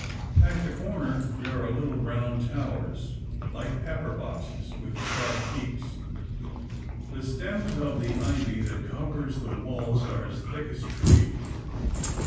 At the corner there are little round towers, like pepperboxes, with sharp peaks. The stems of the ivy that covers the walls are as thick as trees.